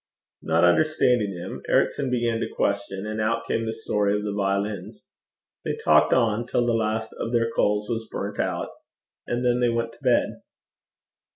Not understanding him, Ericson began to question, and out came the story of the violins. They talked on till the last of their coals was burnt out, and then they went to bed.